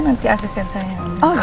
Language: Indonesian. nanti asisten saya ambil